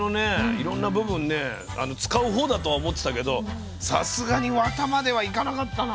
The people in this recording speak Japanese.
いろんな部分ね使う方だとは思ってたけどさすがにワタまではいかなかったな。